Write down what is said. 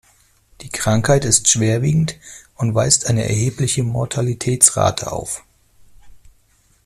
Die Krankheit ist schwerwiegend und weist eine erhebliche Mortalitätsrate auf.